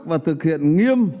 và thực hiện nghiêm